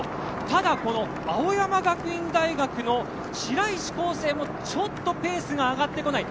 ただ、青山学院大学の白石光星もちょっとペースが上がってこない。